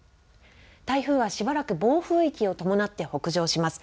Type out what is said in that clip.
台風はしばらく暴風域を伴って北上します。